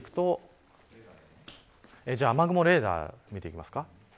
こちらを見ていくとじゃあ雨雲レーダー見ていきますか。